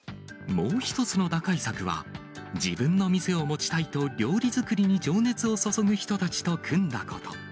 もう１つの打開策は、自分の店を持ちたいと料理作りに情熱を注ぐ人たちと組んだこと。